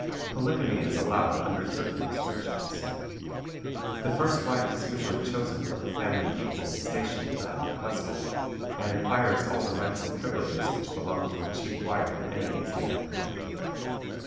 Polygamy is allowed under certain restrictions. The first wife is usually chosen from a family equal in station to that of the husband, and acquires all the rights and privileges which belong to a chief wife in any Asiatic country.